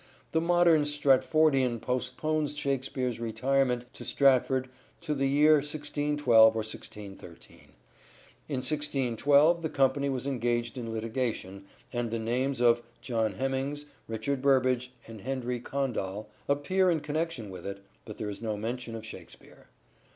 The modern Stratfordian postpones Shakspere's retirement to Stratford to the year 1612 or 1613. In 1612 the company was engaged in litigation, and the names of " John Hemings, Richard Burbage and Henry Condall " appear in connection with it, but there is no mention of Shakspere.